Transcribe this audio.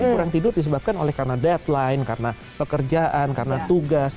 tapi kurang tidur disebabkan oleh karena deadline karena pekerjaan karena tugas